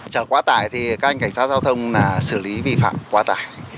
trả quá tải thì các anh cảnh sát giao thông là xử lý vi phạm quá tải